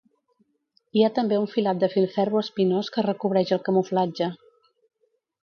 Hi ha també un filat de filferro espinós que recobreix el camuflatge.